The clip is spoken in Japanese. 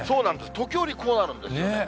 時折こうなるんですよね。